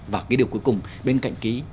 và cái điều cuối cùng bên cạnh cái